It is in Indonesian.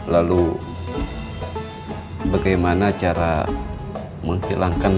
lalu bagaimana cara menghilangkan